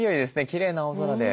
きれいな青空で。